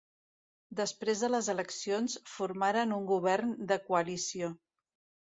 Després de les eleccions, formaren un govern de coalició.